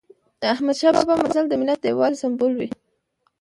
د احمد شاه بابا مزل د ملت د یووالي سمبول و.